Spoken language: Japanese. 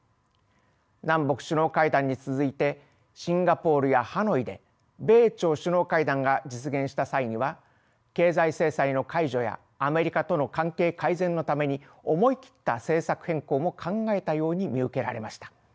南北首脳会談に続いてシンガポールやハノイで米朝首脳会談が実現した際には経済制裁の解除やアメリカとの関係改善のために思い切った政策変更も考えたように見受けられました。